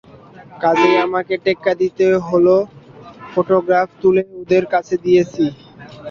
কাজেই আমাকে টেক্কা দিতে হল, ফোটোগ্রাফ তুলে ওদের কাছে দিয়েছি।